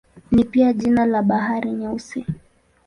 Ni pia jina la Bahari Nyeusi.